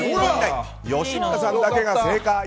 吉村さんだけが正解！